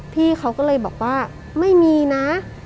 พี่เขาก็เลยบอกว่าไม่มีนะ